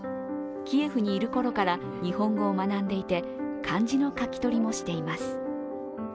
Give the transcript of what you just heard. キエフにいる頃から日本語を学んでいて漢字の書き取りもしています。